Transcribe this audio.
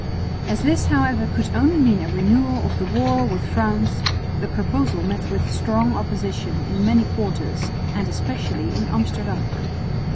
As this, however, could only mean a renewal of the war with France, the proposal met with strong opposition in many quarters, and especially in Amsterdam.